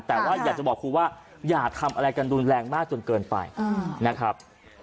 แต่ว่าอยากจะบอกครูว่าอย่าทำอะไรกันรุนแรงมากจนเกินไปนะครับ